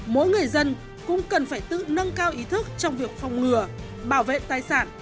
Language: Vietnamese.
mỗi người dân cũng cần phải tự nâng cao ý thức trong việc phòng ngừa bảo vệ tài sản